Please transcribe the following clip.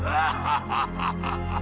aku bilang aku tidak mau